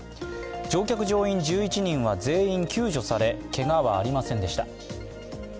乗客・乗員１１人は全員救助されけがはありませんでした。